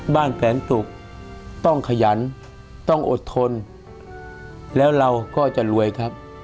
แสนตุกต้องขยันต้องอดทนแล้วเราก็จะรวยครับ